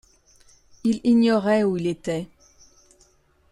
Il ignorait où il était.